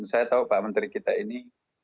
saya tahu pak menteri kita ini